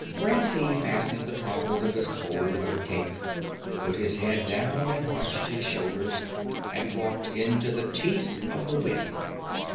Ramsey fastened the toggles of his cold weather cape, put his head down and hunched his shoulders, and walked into the teeth of the wind.